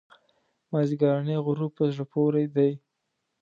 مازیګرنی غروب په زړه پورې دی.